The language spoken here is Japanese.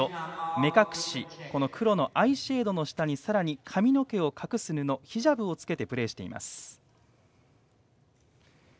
目隠し、黒のアイシェードの下にさらに髪の毛を隠す布ヒジャブをつけてプレーしています。